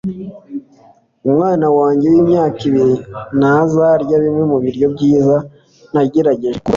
Umwana wanjye wimyaka ibiri ntazarya bimwe mubiryo byiza nagerageje kumugaburira